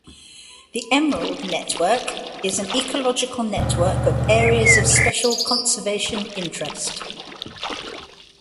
The Emerald Network is an ecological network of Areas of Special Conservation Interest.